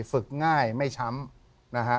ฝึกง่ายไม่ช้ำนะฮะ